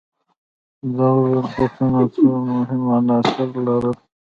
دغو بنسټونو څو مهم عناصر لرل.